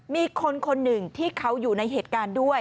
มีคนคนหนึ่งที่เขาอยู่ในเหตุการณ์ด้วย